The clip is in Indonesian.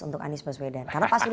untuk anies baswedan